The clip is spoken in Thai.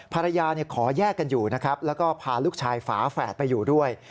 ภรรยาขอแยกกันอยู่นะครับแล้วก็พาลูกชายฝาแฝดไปอยู่ด้วย